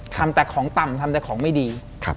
ทำแต่ของต่ำทำแต่ของไม่ดี